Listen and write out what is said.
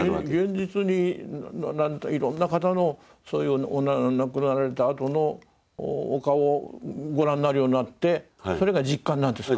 現実にいろんな方のそういう亡くなられたあとのお顔をご覧になるようになってそれが実感なんですか？